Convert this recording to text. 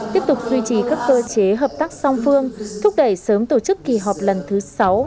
tiếp tục duy trì các cơ chế hợp tác song phương thúc đẩy sớm tổ chức kỳ họp lần thứ sáu